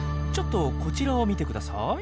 ちょっとこちらを見てください。